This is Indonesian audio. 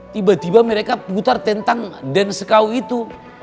tiba tiba mereka putar tentang dance kau itu